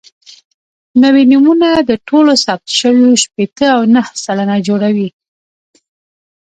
نوي نومونه د ټولو ثبت شویو شپېته او نهه سلنه جوړوي.